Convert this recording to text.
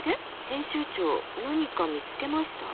編集長何か見つけました？